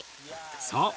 そう。